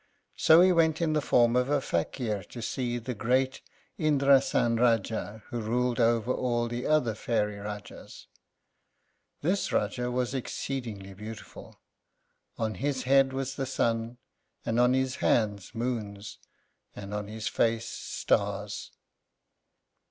So he went in the form of a Fakír to see the great Indrásan Rájá who ruled over all the other fairy Rájás. This Rájá was exceedingly beautiful. On his head was the sun; and on his hands, moons; and on his face, stars.